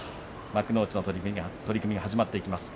幕内の取組が始まっていきます。